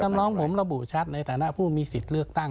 คำร้องผมระบุชัดในฐานะผู้มีสิทธิ์เลือกตั้ง